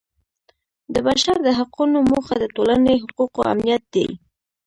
د بشر د حقونو موخه د ټولنې حقوقو امنیت دی.